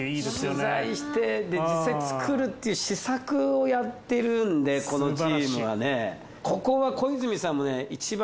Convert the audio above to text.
取材してで実際作るっていう試作をやってるんでこのチームはね。すばらしい。